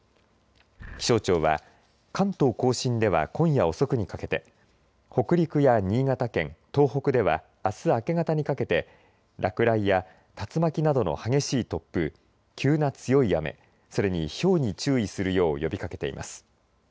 気象庁は関東甲信では今夜遅くにかけて北陸や新潟県東北ではあす明け方にかけて落雷や竜巻などの激しい突風急な強い雨それに、ひょうに注意するよう呼びかけています。